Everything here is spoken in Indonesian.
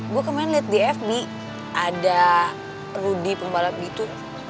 gue kemaren liat di fb ada rudy pembalap gitu